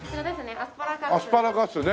アスパラガスね。